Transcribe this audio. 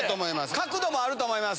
角度もあると思います。